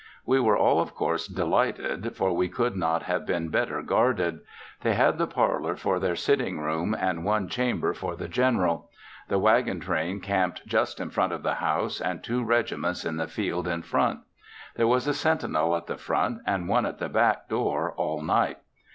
We were all of course, delighted for we could not have been better guarded. They had the parlor for their sitting room, and one chamber for the General. The wagon train camped just in front of the house, and two regiments in the field in front. There was a sentinel at the front and one at the back door all night.